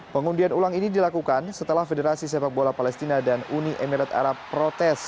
pengundian ulang ini dilakukan setelah federasi sepak bola palestina dan uni emirat arab protes